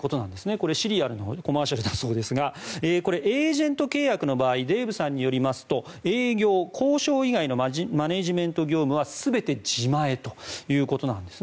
これ、シリアルのコマーシャルだそうですがエージェント契約の場合デーブさんによりますと営業・交渉以外のマネジメント業務は全て自前ということです。